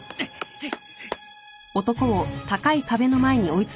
はい。